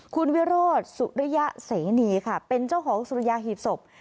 คุณวิโรธสุริยะเสนีค่ะเป็นเจ้าของสุริยาหีบศพ